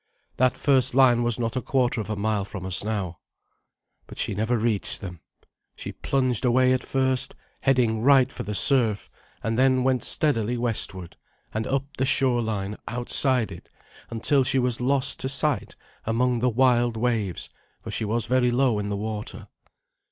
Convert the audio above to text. That first line was not a quarter of a mile from us now. But she never reached them. She plunged away at first, heading right for the surf, and then went steadily westward, and up the shore line outside it, until she was lost to sight among the wild waves, for she was very low in the water.